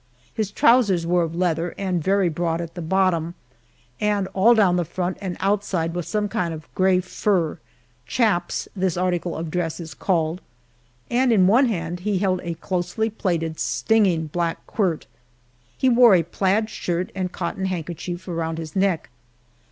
His trousers were of leather and very broad at the bottom, and all down the front and outside was some kind of gray fur "chaps" this article of dress is called and in one hand he held a closely plaited, stinging black "quirt." He wore a plaid shirt and cotton handkerchief around his neck.